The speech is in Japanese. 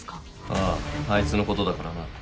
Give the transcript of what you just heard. ああアイツのことだからな。